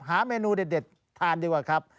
เมนูเด็ดทานดีกว่าครับ